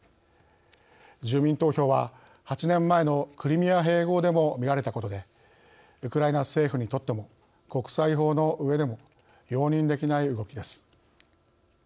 住民投票は８年前のクリミア併合でも見られたことでウクライナ政府にとっても国際法のうえでも容認できない動きです。